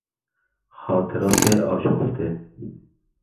خاطرات آشفته